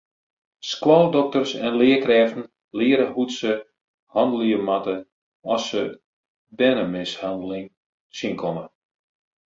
Skoaldokters en learkrêften leare hoe't se hannelje moatte at se bernemishanneling tsjinkomme.